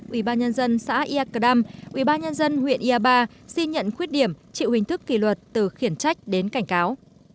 ubnd xã ia cờ đăm ubnd huyện ia ba xin nhận khuyết điểm chịu hình thức kỳ luật từ khiển trách đến cảnh cáo